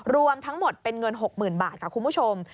รวมทั้งหมดเป็นเงิน๖๐๐๐บาทค่ะคุณผู้ชม